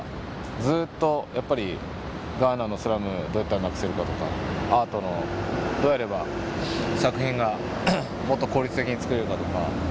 ずっと、やっぱり、ガーナのスラム、どうやったらなくせるかとか、アートの、どうやれば作品がもっと効率的に作れるかとか。